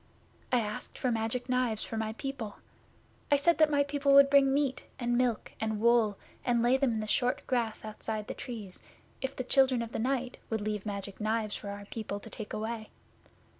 I asked for Magic Knives for my people. I said that my people would bring meat, and milk, and wool, and lay them in the short grass outside the Trees, if the Children of the Night would leave Magic Knives for our people to take away.